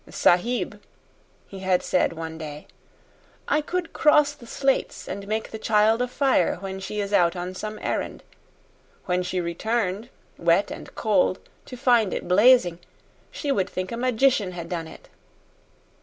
"Sahib," he had said one day, "I could cross the slates and make the child a fire when she is out on some errand. When she returned, wet and cold, to find it blazing, she would think a magician had done it."